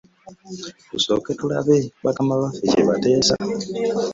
Tusooke tulabe bakama baffe kye bateesa.